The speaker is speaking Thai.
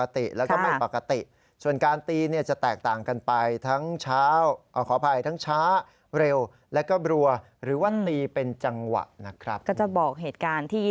เตือนไพรนัยยามปกติแล้วก็แม่งปกติ